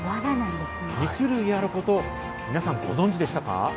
２種類あること、皆さん、ご存知でしたか？